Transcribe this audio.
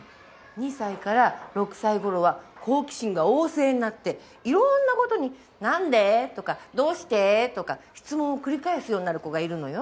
２歳から６歳頃は好奇心が旺盛になっていろんな事に「なんで？」とか「どうして？」とか質問を繰り返すようになる子がいるのよ。